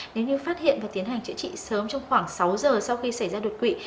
nếu như phát hiện và tiến hành chữa trị sớm trong khoảng sáu giờ sau khi xảy ra đột quỵ